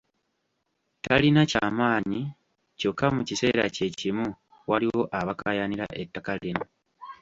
Talina ky’amanyi kyokka mu kiseera kye kimu waliwo abakaayanira ettaka lino.